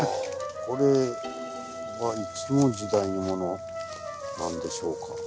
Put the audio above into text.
これはいつの時代のものなんでしょうか？